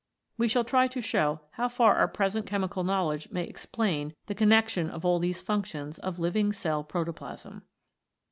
We shall try to show how far our present chemical knowledge may explain the connection of all these functions of living cell protoplasm.